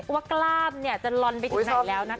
กล้ามจะลอนไปถึงไหนแล้วนะคะ